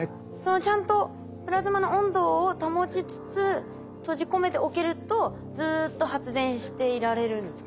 ちゃんとプラズマの温度を保ちつつ閉じ込めておけるとずっと発電していられるんですか？